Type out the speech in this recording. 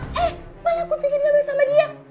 eh malah aku tinggal sama dia